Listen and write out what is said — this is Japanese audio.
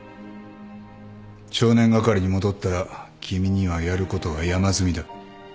少年係に戻ったら君にはやることが山積みだ。